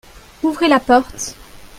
Ouvrez la porte.